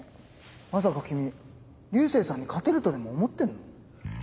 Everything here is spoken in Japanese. まさか君流星さんに勝てるとでも思ってんの？